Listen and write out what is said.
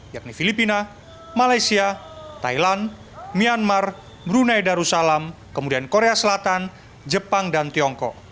yakni filipina malaysia thailand myanmar brunei darussalam kemudian korea selatan jepang dan tiongkok